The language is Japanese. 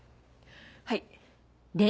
はい。